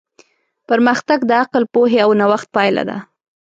پرمختګ د عقل، پوهې او نوښت پایله ده.